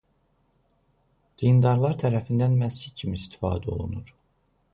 Dindarlar tərəfindən məscid kimi istifadə olunur.